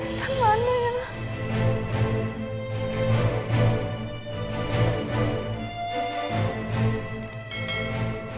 intan mana ya